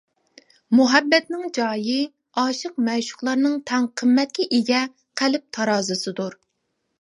مۇھەببەتنىڭ جايى ئاشىق-مەشۇقلارنىڭ تەڭ قىممەتكە ئىگە قەلب تارازىسىدۇر.